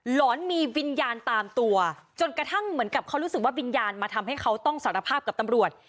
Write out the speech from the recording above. หลอนมีวิญญาณตามตัวจนกระทั่งเหมือนกับเขารู้สึกว่าวิญญาณมาทำให้เขาต้องสารภาพกับตำรวจ